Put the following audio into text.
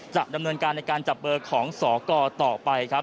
จะดำเนินการในการจับเบอร์ของสกต่อไปครับ